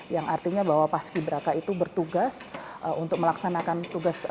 yang artinya bahwa paski beraka itu bertugas untuk melaksanakan tugas